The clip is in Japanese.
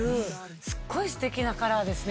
すっごいステキなカラーですね